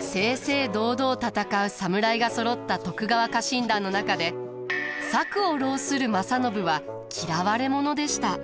正々堂々戦う侍がそろった徳川家臣団の中で策を弄する正信は嫌われ者でした。